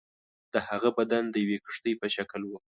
د هغه بدن د یوې کښتۍ په شکل وو.